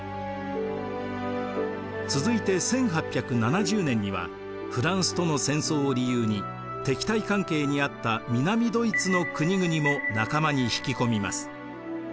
続いて１８７０年にはフランスとの戦争を理由に敵対関係にあった南ドイツの国々も仲間に引き込みます。